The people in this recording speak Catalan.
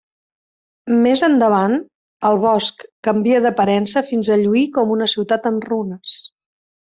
Més endavant, el bosc canvia d'aparença fins a lluir com una ciutat en runes.